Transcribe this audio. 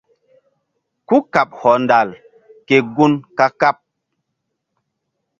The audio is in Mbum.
Kúkaɓ hɔndal ke gun ka-kaɓ.